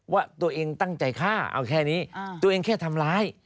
ว่าตัวเองตั้งใจฆ่าเอาแค่นี้ตัวเองแค่ทำร้าย